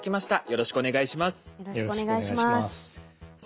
よろしくお願いします。